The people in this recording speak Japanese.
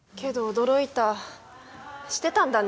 驚いたしてたんだね